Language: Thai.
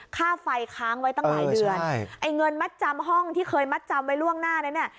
ค่าไฟค้างไว้ตั้งหลายเดือนไอ้เงินมัดจำห้องที่เคยมัดจำไว้ล่วงหน้านั้นเนี่ย